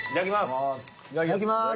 いただきます。